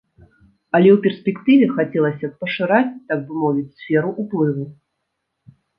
Але ў перспектыве хацелася б пашыраць, так бы мовіць, сферу ўплыву.